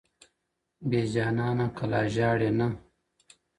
بېجانانه که لا ژاړئ نه